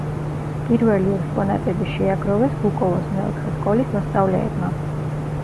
პირველი ექსპონატები შეაგროვეს გუკოვოს მეოთხე სკოლის მოსწავლეებმა.